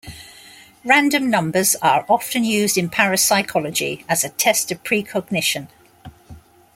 Random numbers are often used in parapsychology as a test of precognition.